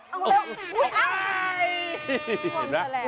เต็มมาแล้ว